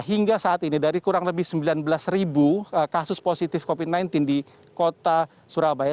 hingga saat ini dari kurang lebih sembilan belas kasus positif covid sembilan belas di kota surabaya